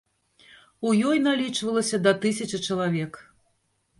У ёй налічвалася да тысячы чалавек.